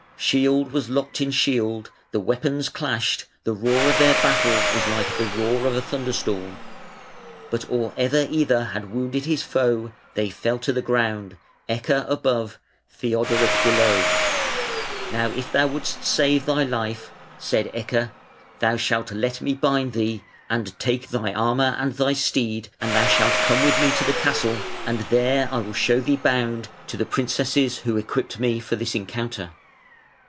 Shield was locked in shield, the weapons clashed, the roar of their battle was like the roar of a thunderstorm, but or ever either had wounded his foe, they fell to the ground, Ecke above, Theodoric below, "Now, if thou wouldst save thy life", said Ecke, "thou shalt let me bind thee, and take thy armour and thy steed, and thou shalt come with me to the castle, and there will I show thee bound to the princesses who equipped me for this encounter".